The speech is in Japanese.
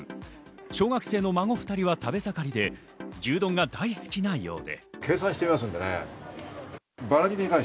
小学生の孫２人は食べ盛りで、牛丼が大好きなようで。